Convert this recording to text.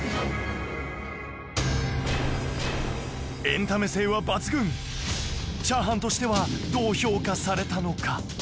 エンタメ性は抜群チャーハンとしてはどう評価されたのか